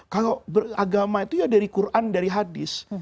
kalau beragama itu ya dari quran dari hadis